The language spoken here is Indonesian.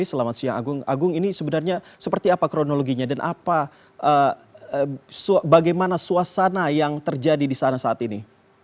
selamat siang agung agung ini sebenarnya seperti apa kronologinya dan bagaimana suasana yang terjadi di sana saat ini